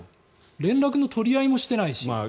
連絡の取り合いもしてないし。